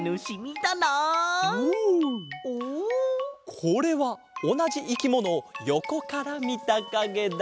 これはおなじいきものをよこからみたかげだ。